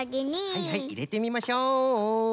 はいはいいれてみましょう。